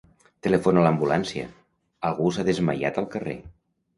Telefona a l'ambulància; algú s'ha desmaiat al carrer.